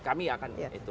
kami akan itu langsung